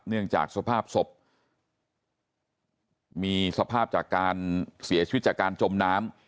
เนื่องจากสภาพศพมีสภาพจากการเสียชีวิตจากการจมน้ำ